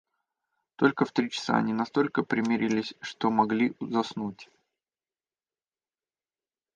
Только в три часа они настолько примирились, что могли заснуть.